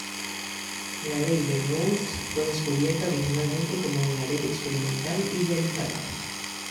La ley de Raoult fue descubierta originalmente como una ley experimental idealizada.